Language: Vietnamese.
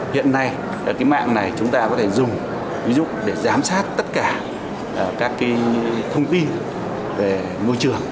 hiện nay mạng này chúng ta có thể dùng để giám sát tất cả các thông tin về môi trường